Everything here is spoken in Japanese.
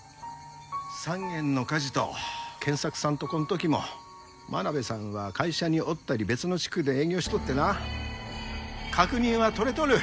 ３軒の火事と賢作さんとこん時も真鍋さんは会社におったり別の地区で営業しとってな確認は取れとる。